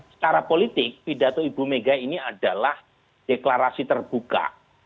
secara politik pidato ibu mega ini adalah deklarasi terbuka